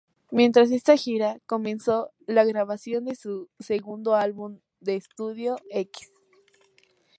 Mientras esta gira, comenzó la grabación de su segundo álbum de estudio, "x".